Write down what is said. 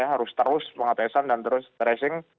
harus terus pengetesan dan terus tracing